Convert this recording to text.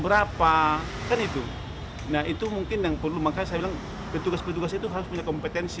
berapa kan itu nah itu mungkin yang perlu makanya saya bilang petugas petugas itu harus punya kompetensi